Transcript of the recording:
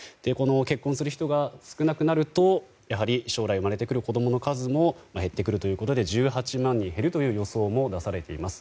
結婚する人が少なくなると将来生まれてくる子供の数も減ってくるということで１８万人減るという予想も出されています。